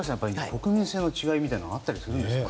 国民性の違いみたいなのがあったりするんですかね。